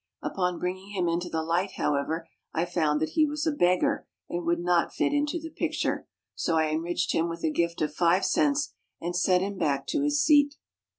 Upon bringing him into the light, however, I found that he was a beggar and would not fit into the picture, so I enriched him with a gift of five cents and sent him back to his seat.